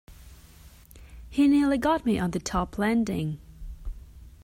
He nearly got me on the top landing.